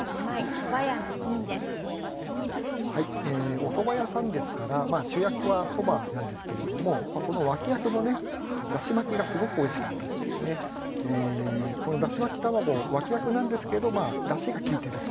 お蕎麦屋さんですから主役は蕎麦なんですけれどもこの脇役のねだし巻きがすごくおいしかったっていうねこのだし巻き玉子脇役なんですけどだしがきいてると。